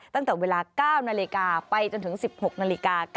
ตั้งแต่เวลา๙นาฬิกาไปจนถึง๑๖นาฬิกา